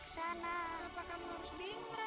saya adalah dorita